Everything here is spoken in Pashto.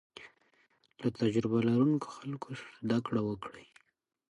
له تجربه لرونکو خلکو زده کړه وکړئ.